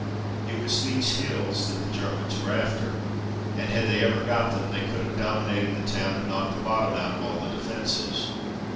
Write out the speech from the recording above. It was these hills that the Germans were after, and had they ever got them they could have dominated the town and knocked the bottom out of all the defences.